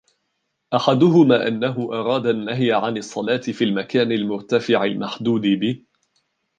أَحَدُهُمَا أَنَّهُ أَرَادَ النَّهْيَ عَنْ الصَّلَاةِ فِي الْمَكَانِ الْمُرْتَفِعِ الْمُحْدَوْدِبِ